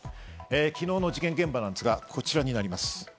昨日の事件現場なんですが、こちらになります。